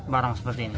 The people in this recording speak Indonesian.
barang seperti ini